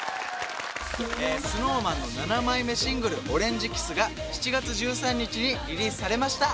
ＳｎｏｗＭａｎの７枚目シングル「オレンジｋｉｓｓ」が７月１３日にリリースされました